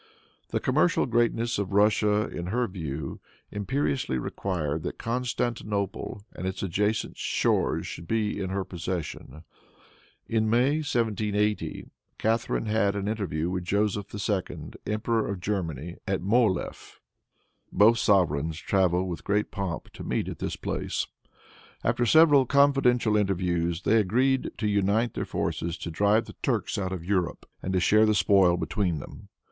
The commercial greatness of Russia, in her view, imperiously required that Constantinople and its adjacent shores should be in her possession. In May, 1780, Catharine had an interview with Joseph II., Emperor of Germany, at Mohilef. Both sovereigns traveled with great pomp to meet at this place. After several confidential interviews, they agreed to unite their forces to drive the Turks out of Europe, and to share the spoil between them.